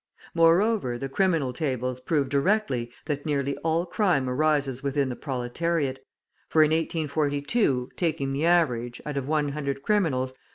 Moreover, the criminal tables prove directly that nearly all crime arises within the proletariat; for, in 1842, taking the average, out of 100 criminals, 32.